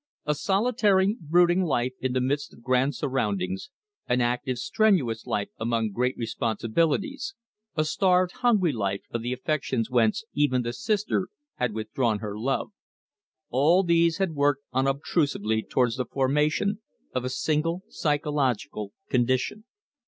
A solitary, brooding life in the midst of grand surroundings, an active, strenuous life among great responsibilities, a starved, hungry life of the affections whence even the sister had withdrawn her love, all these had worked unobtrusively towards the formation of a single psychological condition.